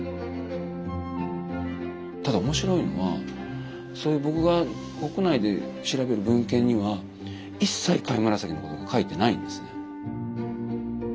ただ面白いのはそういう僕が国内で調べる文献には一切貝紫のことが書いてないんですね。